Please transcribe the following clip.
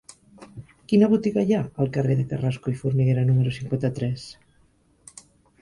Quina botiga hi ha al carrer de Carrasco i Formiguera número cinquanta-tres?